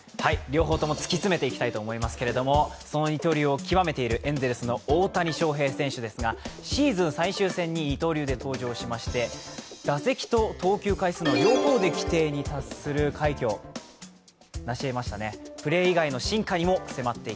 両方とも突き詰めていきたいと思いますけども、その二刀流を極めているエンゼルスの大谷翔平選手シーズン最終戦で登板しまして打席と投球回数の両方で規定に達する快挙をなしえましたね。